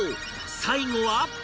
最後は